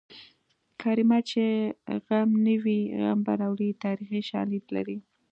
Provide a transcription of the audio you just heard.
کرمیه چې غم نه وي غم به راوړې تاریخي شالید لري